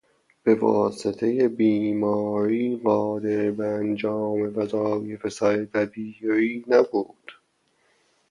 به واسطهی بیماری قادر به انجام وظایف سردبیری نبود.